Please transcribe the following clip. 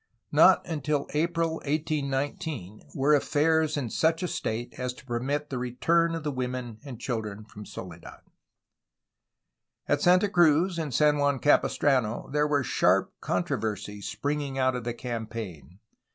Not until April 1819 were affairs in such a state as to permit of the return of the women and children from Soledad. At Santa Cruz and San Juan Capistrano there were sharp controversies springing out of the campaign.